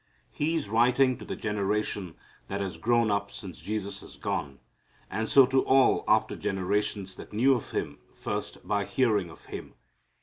He is writing to the generation that has grown up since Jesus has gone, and so to all after generations that knew of Him first by hearing of Him.